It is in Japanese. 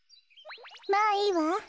まあいいわ。